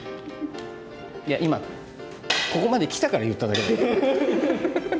いや今ここまできたから言っただけだよ。